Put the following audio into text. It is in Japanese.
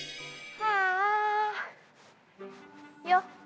はああよっ！